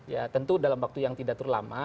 ya tentu dalam waktu yang tidak terlalu lama